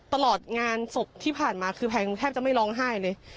ตลอดงานศพที่ผ่านมาคือแพงแทบจะไม่ร้องไห้เลย